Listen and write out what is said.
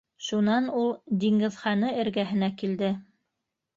Шунан ул Диңгеҙханы эргәһенә килде.